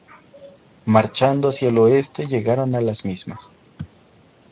Marchando hacia el oeste llegaron a las mismas.